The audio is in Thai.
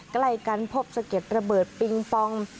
ใกล้กันพบสะเก็ดระเบิดปิงปอง